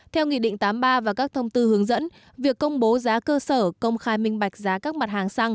theo nghị định tám mươi ba và các thông tư hướng dẫn việc công bố giá cơ sở công khai minh bạch giá các doanh nghiệp tự công bố